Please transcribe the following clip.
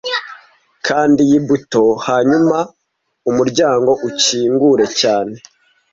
Kanda iyi buto hanyuma umuryango ukingure cyane